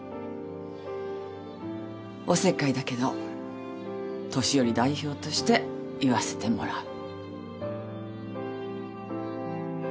おせっかいだけど年寄り代表として言わせてもらう。